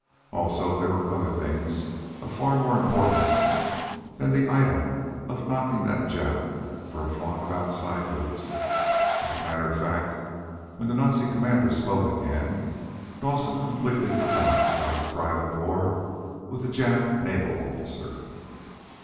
Also, there were other things of far more importance than the item of knocking that Jap for a flock of outside loops. As a matter of fact, when the Nazi commander spoke again Dawson completely forgot about his private war with the Jap naval officer.